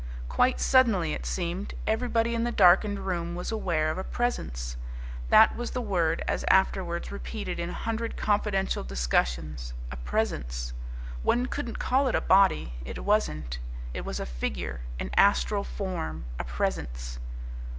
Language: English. Quite suddenly, it seemed, everybody in the darkened room was aware of a presence. That was the word as afterwards repeated in a hundred confidential discussions. A presence. One couldn't call it a body. It wasn't. It was a figure, an astral form, a presence.